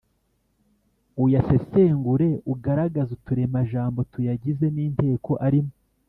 uyasesengure ugaragaze uturemajambo tuyagize n’inteko arimo.